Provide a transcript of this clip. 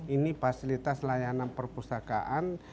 ini fasilitas layanan perpustakaan